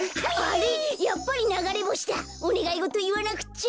おねがいごといわなくっちゃ。